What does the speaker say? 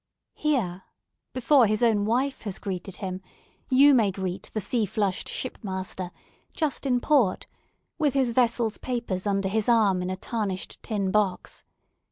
Here, before his own wife has greeted him, you may greet the sea flushed ship master, just in port, with his vessel's papers under his arm in a tarnished tin box.